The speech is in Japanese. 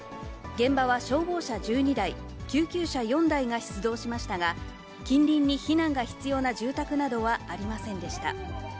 現場は消防車１２台、救急車４台が出動しましたが、近隣に避難が必要な住宅などはありませんでした。